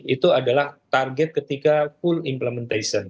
itu adalah target ketika full implementation